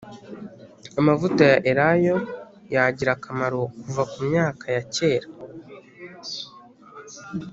amavuta ya elayo yagira akamaro kuva mu myaka yak era